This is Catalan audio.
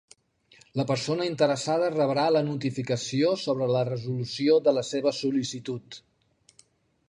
La persona interessada rebrà la notificació sobre la resolució de la seva sol·licitud.